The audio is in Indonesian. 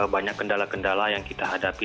banyak kendala kendala yang kita hadapi